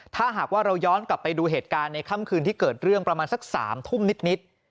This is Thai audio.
ถ้าหากว่าเราย้อนกลับไปดูเหตุการณ์ในค่ำคืนที่เกิดเรื่องประมาณสัก๓ทุ่มนิด